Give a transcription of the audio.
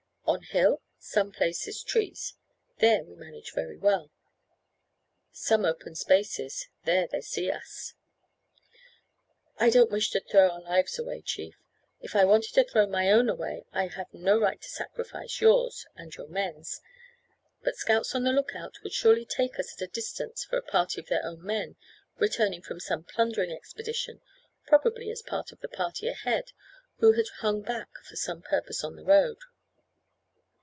On hill some places trees, there we manage very well; some open spaces, there they see us." "I don't wish to throw our lives away, chief; if I wanted to throw my own away, I have no right to sacrifice yours and your men's; but scouts on the look out would surely take us at a distance for a party of their own men returning from some plundering expedition, probably as part of the party ahead, who had hung back for some purpose on the road."